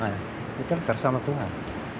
nah kita bersama tuhan